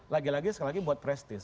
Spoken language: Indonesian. lagi lagi sekali lagi buat prestis